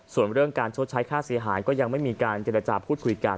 ส่วนเรื่องการชดใช้ค่าเสียหายก็ยังไม่มีการเจรจาพูดคุยกัน